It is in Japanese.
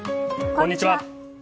こんにちは。